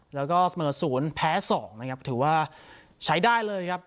แล้วก็เสมอศูนย์แพ้๒นะครับถือว่าใช้ได้เลยครับ